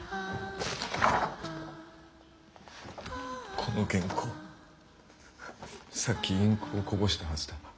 この原稿さっきインクをこぼしたはずだ。